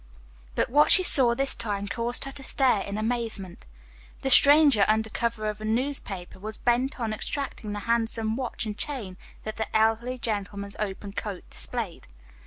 But what she saw this time caused her to stare in amazement. The stranger under cover of a newspaper was bent on extracting the handsome watch and chain that the elderly gentleman's open coat displayed.